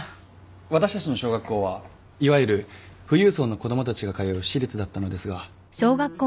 私たちの小学校はいわゆる富裕層の子供たちが通う私立だったのですが。